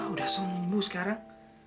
udah sembuh sekarang